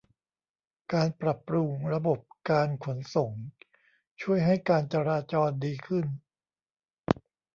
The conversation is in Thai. การปรับปรุงระบบการขนส่งช่วยให้การจราจรดีขึ้น